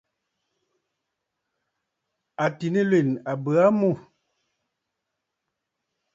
Àtì nɨlwèn a bə aa mû.